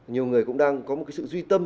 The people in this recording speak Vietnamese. nhiều người cũng đang có một sự duy tâm